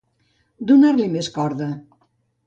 Donar-li més corda.